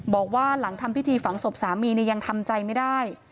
บอกว่าหลังทำพิธีฝังศพสามียังทำใจไม่ได้